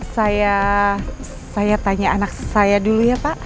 saya tanya anak saya dulu ya pak